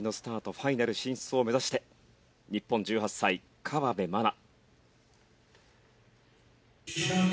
ファイナル進出を目指して日本１８歳河辺愛菜。